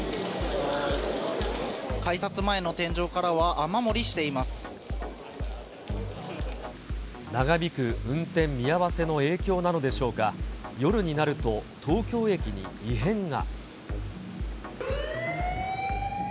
改札前の天井からは、雨漏り長引く運転見合わせの影響なのでしょうか、夜になると、東京駅に異変が。